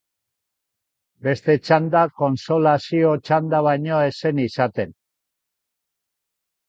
Beste txanda kontsolazio txanda baino ez zen izaten.